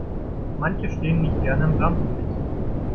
Manche stehen nicht gerne im Rampenlicht.